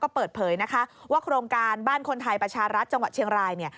ก็เปิดเผยว่าโครงการบ้านคนไทยประชารัฐจังหวะเชียงราย